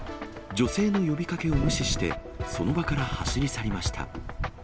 女性の呼びかけを無視して、その場から走り去りました。